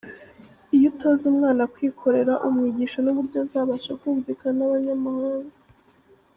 Iyo utoza umwana kwikorera umwigisha n’uburyo azabasha kumvikana n’abanyamahanga”.